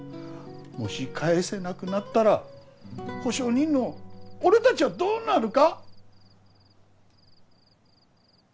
もし返せなくなったら保証人の俺たちはどうなるか。